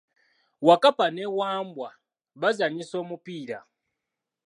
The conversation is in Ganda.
Wakkapa ne Wambwa bazanyisa omupiira.